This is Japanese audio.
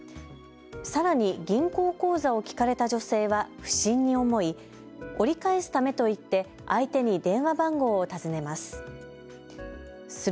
さらに銀行口座を聞かれた女性は不審に思い折り返すためと言って相手に電話番号を尋ねます。